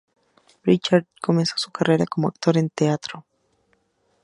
Richard comenzó su carrera como actor en el teatro.